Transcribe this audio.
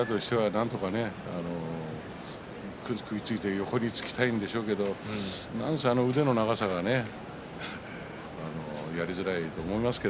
なんとか食いついて横につきたいんでしょうけれどもなんせ、あの腕の長さがねやりづらいと思いますよ。